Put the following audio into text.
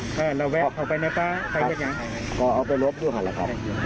คุณลุงมีปัญหาผลหรือเปล่าครับ